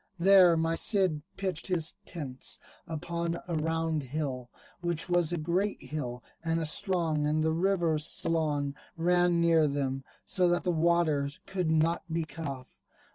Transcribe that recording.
There my Cid pitched his tents upon a round hill, which was a great hill and a strong; and the river Salon ran near them, so that the water could not be cut off.